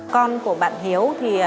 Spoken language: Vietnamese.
con của bạn hiếu